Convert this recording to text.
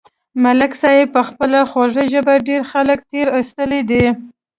ملک صاحب په خپله خوږه ژبه ډېر خلک تېر ایستلي دي.